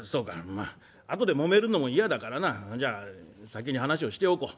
まあ後でもめるのも嫌だからなじゃあ先に話をしておこう。